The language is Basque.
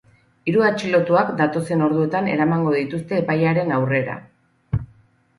Hiru atxilotuak datozen orduetan eramango dituzte epailearen aurrera.